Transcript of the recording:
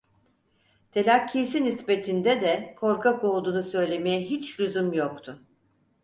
Telakkisi nispetinde de korkak olduğunu söylemeye hiç lüzum yoktu.